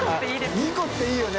２個っていいよね！